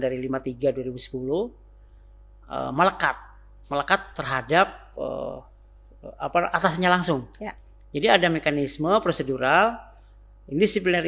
dari lima puluh tiga dua ribu sepuluh melekat melekat terhadap apa atasnya langsung ya jadi ada mekanisme prosedural inisiblery